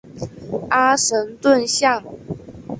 阿什顿巷。